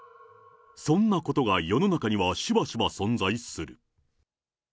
そんなことが世の中にはしばしば存在する。